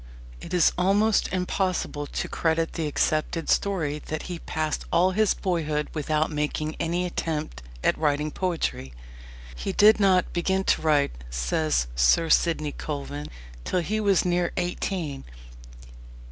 It is almost impossible to credit the accepted story that he passed all his boyhood without making any attempt at writing poetry. "He did not begin to write," says Sir Sidney Colvin, "till he was near eighteen."